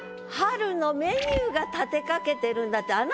春のメニューが立てかけてるんだって